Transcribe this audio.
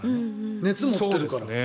熱を持っているから。